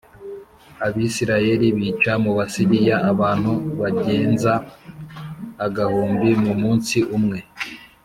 Abisirayeli bica mu Basiriya abantu bigenza agahumbi mu munsi umwe